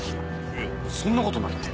いやそんなことないって。